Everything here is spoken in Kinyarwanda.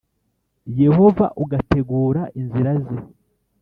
Yehova ugategura inzira ze